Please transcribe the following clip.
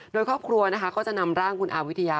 โดยครอบครัวนะคะก็จะนำร่างคุณอาวิทยา